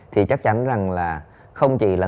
thì chắc chắn rằng là không chỉ là